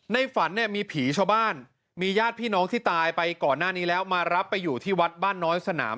ฝันเนี่ยมีผีชาวบ้านมีญาติพี่น้องที่ตายไปก่อนหน้านี้แล้วมารับไปอยู่ที่วัดบ้านน้อยสนาม